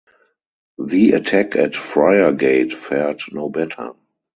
The attack at Friargate fared no better.